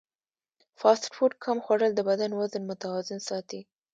فاسټ فوډ کم خوړل د بدن وزن متوازن ساتي.